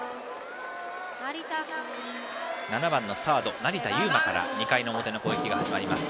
７番のサード、成田悠真から２回の表の攻撃が始まります。